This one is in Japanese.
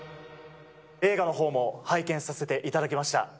映画のほうも拝見させていただきました。